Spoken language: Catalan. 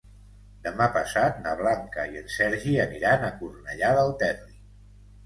Demà passat na Blanca i en Sergi aniran a Cornellà del Terri.